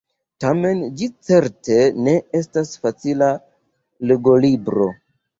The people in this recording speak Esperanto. Tamen ĝi certe ne estas facila legolibro!